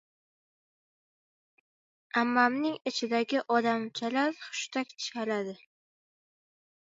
Ammamning ichidagi «odamchalar» hushtak chaladi.